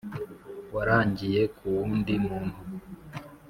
warangiye ku wundi muntu